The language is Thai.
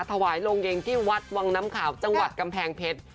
ถวายโรงเย็นที่วัดวังน้ำขาวจังหวัดกำแพงเพชร